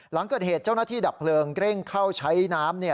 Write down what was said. หลังเกิดเหตุเจ้าหน้าที่ดับเพลิงเร่งเข้าใช้น้ำ